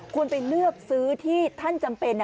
คุณไปเลือกซื้อที่ท่านจำเป็น